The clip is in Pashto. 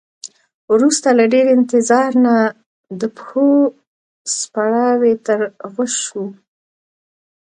وروسته له ډیر انتظار نه د پښو څپړاوی تر غوږ شو.